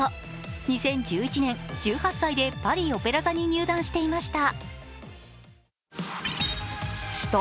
２０１１年、１８歳でパリ・オペラ座に入団していました。